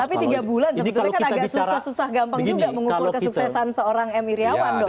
tapi tiga bulan sebetulnya kan agak susah susah gampang juga mengukur kesuksesan seorang m iryawan dong